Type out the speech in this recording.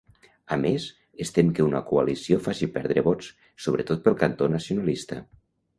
A més, es tem que una coalició faci perdre vots, sobretot pel cantó nacionalista.